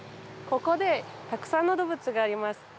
ここ、たくさんの動物がいます。